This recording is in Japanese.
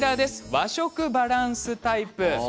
和食バランスタイプ。